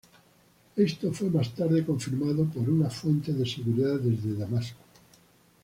Esto fue más tarde confirmado por una fuente de seguridad desde Damasco.